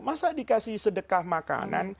masa dikasih sedekah makanan